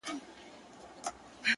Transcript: اوس مو خاندي غلیمان پر شړۍ ورو ورو-